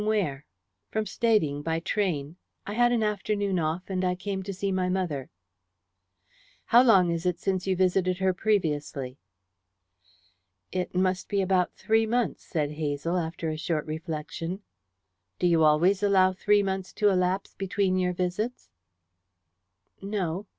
"Where from?" "From Stading, by train. I had an afternoon off, and I came to see my mother." "How long is it since you visited her previously?" "It must be about three months," said Hazel, after a short reflection. "Do you always allow three months to elapse between your visits?" "No."